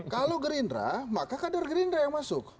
kalau gerindra maka kader gerindra yang masuk